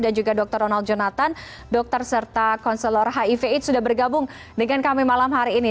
dan juga dokter ronald jonatan dokter serta konselor hiv aids sudah bergabung dengan kami malam hari ini